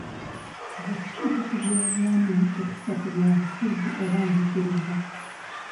Bwe kituuka ku by'obulamu tetufa ku byabufuzi oba ku nzikiriza.